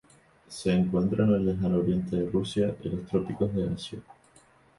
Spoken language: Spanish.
Se encuentra en el lejano oriente de Rusia y los trópicos de Asia.